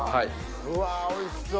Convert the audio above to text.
うわおいしそう。